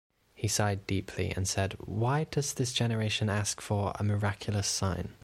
He sighed deeply and said, 'Why does this generation ask for a miraculous sign?